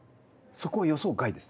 そこ予想外です？